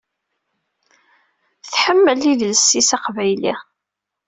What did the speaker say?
Tḥemmel idles-is aqbayli.